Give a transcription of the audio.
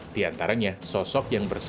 di antaranya sosok yang berbeda